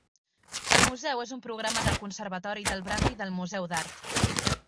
El museu és un programa del Conservatori del Brandi del Museu d'Art.